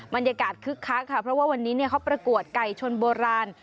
คึกคักค่ะเพราะว่าวันนี้เขาประกวดไก่ชนโบราณ